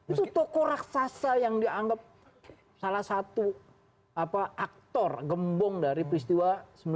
itu toko raksasa yang dianggap salah satu aktor gembong dari peristiwa seribu sembilan ratus sembilan puluh